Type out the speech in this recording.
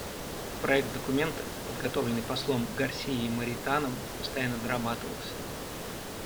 Проект документа, подготовленный послом Гарсией Моританом, постоянно дорабатывался.